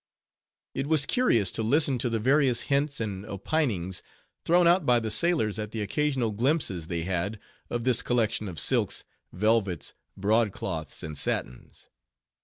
It was curious to listen to the various hints and opinings thrown out by the sailors at the occasional glimpses they had of this collection of silks, velvets, broadcloths, and satins.